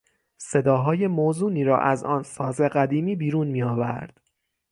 صداهای موزونی را از آن ساز قدیمی بیرون می آورد.